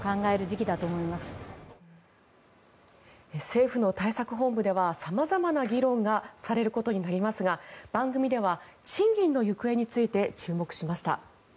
政府の対策本部では様々な議論がされることになりますが番組では賃金の行方について注目しました。